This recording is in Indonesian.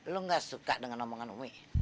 lo gak suka dengan omongan umi